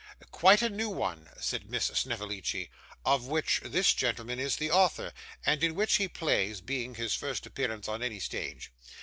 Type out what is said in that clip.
'Quite a new one,' said Miss Snevellicci, 'of which this gentleman is the author, and in which he plays; being his first appearance on any stage.